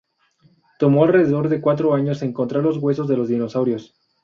Tomó alrededor de cuatro años encontrar los huesos de los dinosaurios.